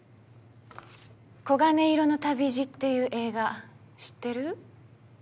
『黄金色の旅路』っていう映画知ってる？